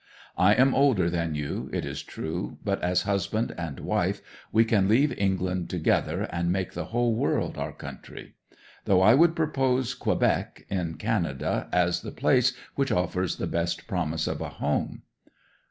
I am older than you, it is true, but as husband and wife we can leave England together, and make the whole world our country. Though I would propose Quebec, in Canada, as the place which offers the best promise of a home."